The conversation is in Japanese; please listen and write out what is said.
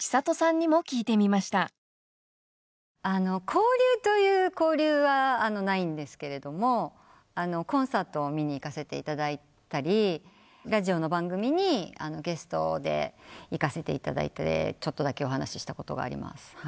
交流という交流はないんですけれどもコンサートを見に行かせていただいたりラジオの番組にゲストで行かせていただいてちょっとだけお話ししたことがあります。